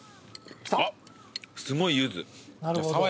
あっすごいユズ。